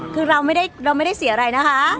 คือเราไม่ได้เสียอะไรนะคะ